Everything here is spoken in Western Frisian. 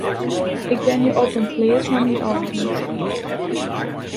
Ik wenje op in pleats mei myn âlden.